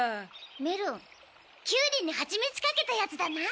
メロンキュウリにハチミツかけたやつだな。